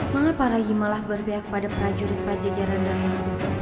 mengapa rayi malah berpihak pada prajurit pajajaranda yang berhutang